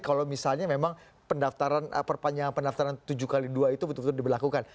kalau misalnya memang perpanjangan pendaftaran tujuh x dua itu betul betul diberlakukan